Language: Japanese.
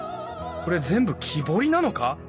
これ全部木彫りなのか！？